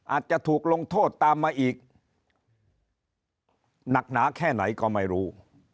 อาจจะถูกลงโทษตามมาอีกหนักหนาแค่ไหนก็ไม่รู้